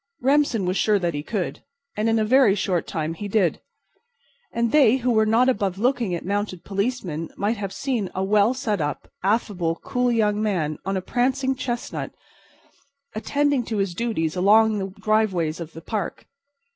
Remsen was sure that he could. And in a very short time he did. And they who were not above looking at mounted policemen might have seen a well set up, affable, cool young man on a prancing chestnut steed attending to his duties along the driveways of the park.